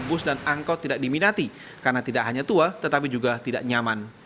bus dan angkot tidak diminati karena tidak hanya tua tetapi juga tidak nyaman